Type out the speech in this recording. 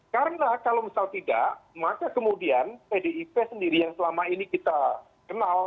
karena kalau misal tidak maka kemudian pdip sendiri yang selama ini kita kenal